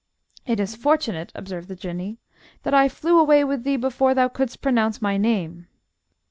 "It is fortunate," observed the Jinnee, "that I flew away with thee before thou couldst pronounce my name."